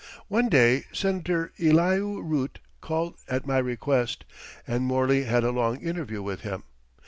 One day Senator Elihu Root called at my request and Morley had a long interview with him.